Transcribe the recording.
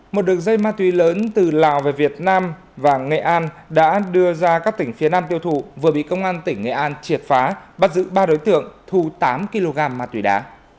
một đường dây ma túy lớn từ lào về việt nam và nghệ an đã đưa ra các tỉnh phía nam tiêu thụ vừa bị công an tỉnh nghệ an triệt phá bắt giữ ba đối tượng thu tám kg ma túy đá